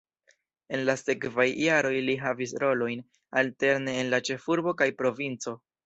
En la sekvaj jaroj li havis rolojn alterne en la ĉefurbo kaj provinco.